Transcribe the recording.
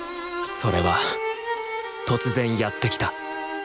それは突然やってきた。